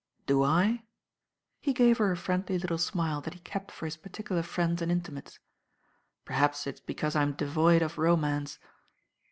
"Do I?" He gave her a friendly little smile that he kept for his particular friends and intimates. "Perhaps it's because I'm devoid of romance."